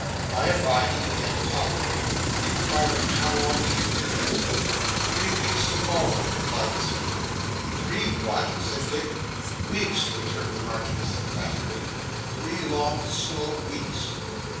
By and bye, he began to talk again, inquiring how long he had been there. 'Three weeks to morrow,' replied the servant. 'Three what?' said Dick. 'Weeks,' returned the Marchioness emphatically; 'three long, slow weeks.